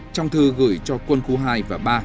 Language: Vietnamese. trong thư gửi cho quân khu hai và ba